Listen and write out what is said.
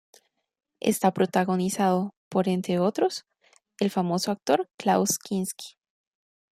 Está protagonizado por, entre otros, el famoso actor Klaus Kinski.